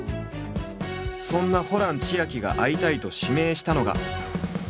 そんなホラン千秋が会いたいと指名したのが。